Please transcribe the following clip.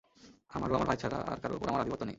আমার ও আমার ভাই ছাড়া আর কারো উপর আমার আধিপত্য নেই।